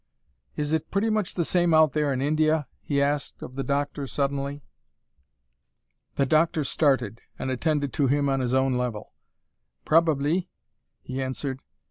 "Is it pretty much the same out there in India?" he asked of the doctor, suddenly. The doctor started, and attended to him on his own level. "Probably," he answered.